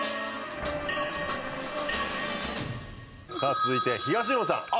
さあ続いて東野さん。